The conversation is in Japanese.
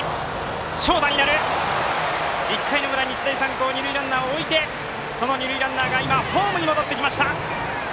１回の裏、日大三高ランナーを置いて二塁ランナーがホームに戻ってきました。